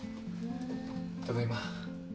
ただいま。